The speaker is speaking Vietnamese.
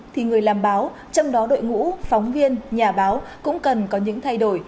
thì người làm báo trong đó đội ngũ phóng viên nhà báo cũng cần có những thay đổi